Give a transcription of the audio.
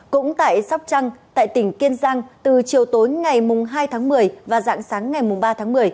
cũng tại sóc trăng tại tỉnh kiên giang từ chiều tối ngày hai tháng một mươi và dạng sáng ngày ba tháng một mươi